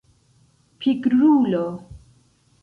pigrulo